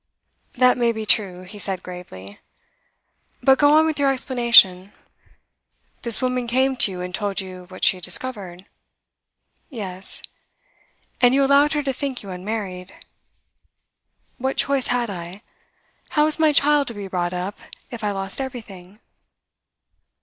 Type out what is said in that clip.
'That may be true,' he said gravely. 'But go on with your explanation. This woman came to you, and told you what she had discovered?' 'Yes.' 'And you allowed her to think you unmarried?' 'What choice had I? How was my child to be brought up if I lost everything?